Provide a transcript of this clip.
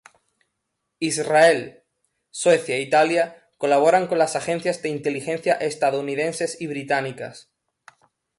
Israel, Suecia e Italia colaboran con las agencias de inteligencia estadounidenses y británicas.